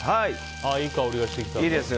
いい香りがしてきた。